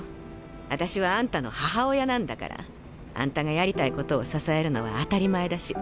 あたしはあんたの母親なんだからあんたがやりたいことを支えるのは当たり前だし。